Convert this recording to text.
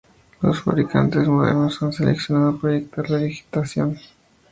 Los fabricantes modernos han seleccionado proyectar la digitación de la flauta dulce.